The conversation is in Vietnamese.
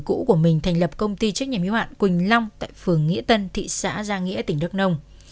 đệ tử cũ của mình thành lập công ty trách nhiệm hiếu hạn quỳnh long tại phường nghĩa tân thị xã giang nghĩa tỉnh đức nông